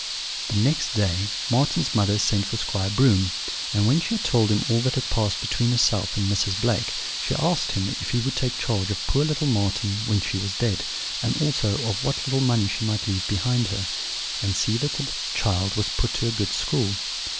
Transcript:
"The next day Marten's mother sent for Squire Broom; and when she had told him all that had passed between herself and Mrs. Blake, she asked him if he would take charge of poor little Marten when she was dead, and also of what little money she might leave behind her; and see that the child was put to a good school.